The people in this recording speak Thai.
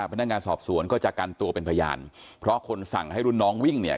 พนักงานสอบสวนก็จะกันตัวเป็นพยานเพราะคนสั่งให้รุ่นน้องวิ่งเนี่ย